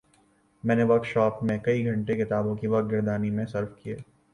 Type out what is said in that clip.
میں نے book shop میں کئی گھنٹے کتابوں کی ورق گردانی میں صرف کئے